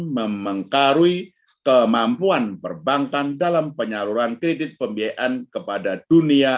memengkaru kemampuan perbankan dalam penyaluran kredit pembiayaan kepada dunia